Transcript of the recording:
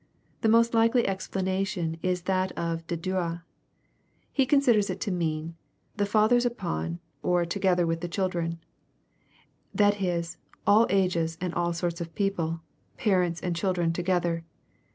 The most likely explanation is that of De Dieu. He considers it to mean, " the fathers upon, or together with the children," — that is, all age?^ and all sorts of people, — garents and children together.